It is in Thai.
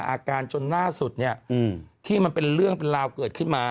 อาการจนล่าสุดเนี่ยที่มันเป็นเรื่องเป็นราวเกิดขึ้นมา